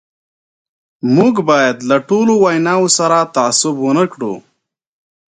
موږ باید له ټولو ویناوو سره تعصب ونه کړو.